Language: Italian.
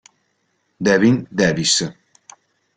Devin Davis